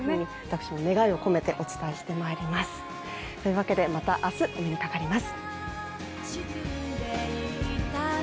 そんな願いを込めて私もお伝えしてまいりますというわけで、また明日お目にかかります。